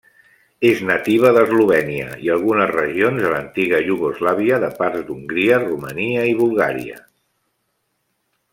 És nativa d'Eslovènia, i algunes regions de l'antiga Iugoslàvia, de parts d'Hongria, Romania, i Bulgària.